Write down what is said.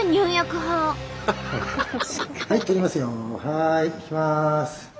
はいいきます。